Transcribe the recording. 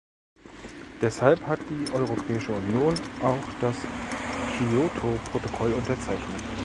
Deshalb hat die Europäische Union auch das Kyoto-Protokoll unterzeichnet.